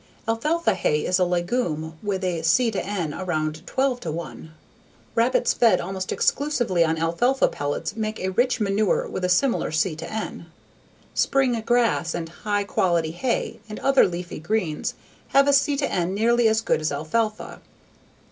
Alfalfa hay is a legume with a C/N around 12:1. Rabbits fed almost exclusively on alfalfa pellets make a rich manure with a similar C/N. Spring grass and high quality hay and other leafy greens have a C/N nearly as good as alfalfa.